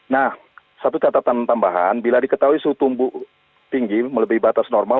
nah satu catatan tambahan bila diketahui suhu tumbuh tinggi melebihi batas normal